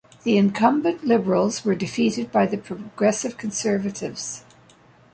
The incumbent Liberals were defeated by the Progressive Conservatives.